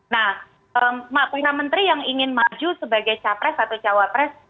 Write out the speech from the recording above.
nah perwira menteri yang ingin maju sebagai capres atau cawapres